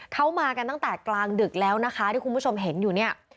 เขามากันตั้งแต่กลางดึกแล้วนะคะที่คุณผู้ชมเห็นอยู่เนี่ย